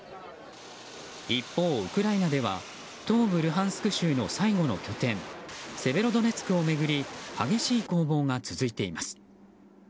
一方、ウクライナでは東部ルハンスク州の最後の拠点セベロドネツクを巡り激しい攻防が続いています。